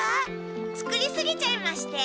作りすぎちゃいまして。